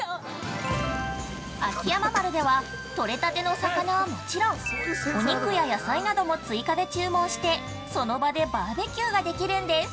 ◆秋山丸では、取れたての魚はもちろん、お肉や野菜なども追加で注文して、その場でバーベキューができるんです。